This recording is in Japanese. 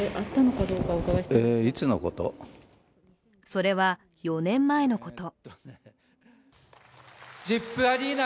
それは、４年前のこと。